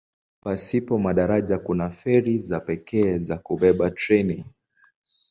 Pasipo madaraja kuna feri za pekee za kubeba treni.